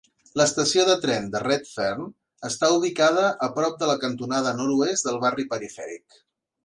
L'estació de tren de Redfern està ubicada a prop de la cantonada nord-oest del barri perifèric.